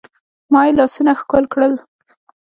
ما يې لاسونه ښکل کړل.